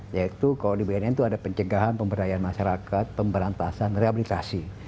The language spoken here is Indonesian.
yaitu kalau di bnn itu ada pencegahan pemberdayaan masyarakat pemberantasan rehabilitasi